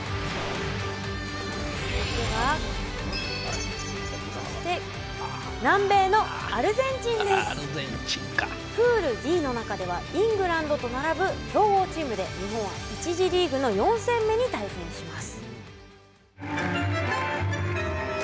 続いては南米のプールＤの中ではイングランドと並ぶ強豪チームで日本は１次リーグの４戦目に対戦します。